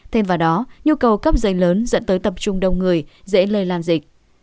thêm vào đó nhu cầu cấp giấy lớn dẫn tới tập trung đông người dễ lây lan dịch